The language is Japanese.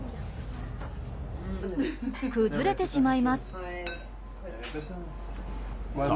崩れてしまいます。